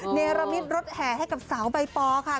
เนรมิตรถแห่ให้กับสาวใบปอค่ะ